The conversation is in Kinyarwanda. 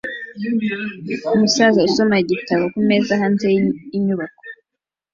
umusaza usoma igitabo kumeza hanze yinyubako